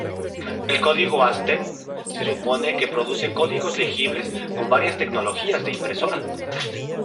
El código Aztec se supone que produce códigos legibles con varias tecnologías de impresora.